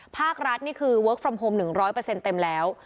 ภาครัฐนี่คือเวิร์คฟรอมโฮมหนึ่งร้อยเปอร์เซ็นต์เต็มแล้ว